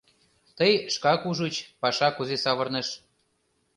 Тый шкак ужыч, паша кузе савырныш.